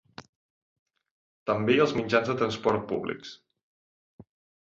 També als mitjans de transport públics.